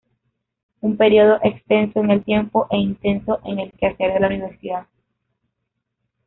Un periodo extenso en el tiempo e intenso en el quehacer de la Universidad.